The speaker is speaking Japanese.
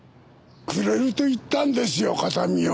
くれると言ったんですよ形見を。